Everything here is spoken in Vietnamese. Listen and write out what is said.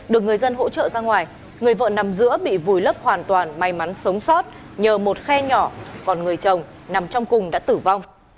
được người dân hỗ trợ ra ngoài người vợ nằm giữa bị vùi lấp hoàn toàn may mắn sống sót nhờ một khe nhỏ còn người chồng nằm trong cùng đã tử vong